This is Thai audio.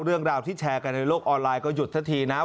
เรื่องราวที่แชร์กันในโลกออนไลน์ก็หยุดสักทีนะ